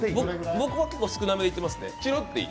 僕はいつも少なめにいってますね。